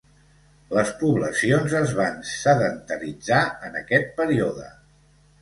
Les poblacions es van sedentaritzar en aquest període.